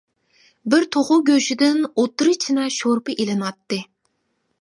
بىر توخۇ گۆشىدىن ئوتتۇرا چىنە شورپا ئېلىناتتى.